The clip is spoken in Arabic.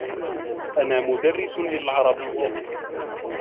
أنا مدرّس للعربيّة.